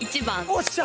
よっしゃ。